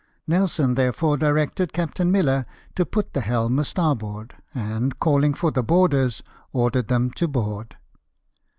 Nelson therefore directed Captain Miller to put tlie helm a starboard, and, calhng for the boarders, ordered them to board.